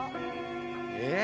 えっ！？